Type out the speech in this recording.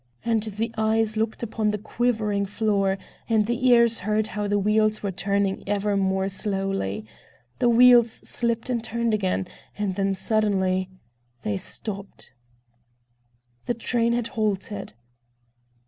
And the eyes looked upon the quivering floor, and the ears heard how the wheels were turning ever more slowly—the wheels slipped and turned again, and then suddenly—they stopped. The train had halted.